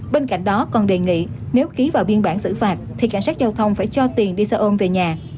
bên cạnh đó còn đề nghị nếu ký vào biên bản xử phạt thì cảnh sát giao thông phải cho tiền đi xe ôm về nhà